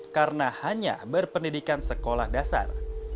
karena hanya berpendidikan sekolah dasar